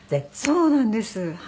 そうなんです。